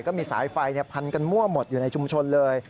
ก็มีสายไฟพันกันมั่วหมดอยู่ในชุมชนเลย